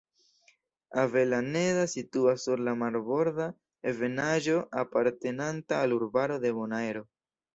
Avellaneda situas sur la marborda ebenaĵo apartenanta al urbaro de Bonaero.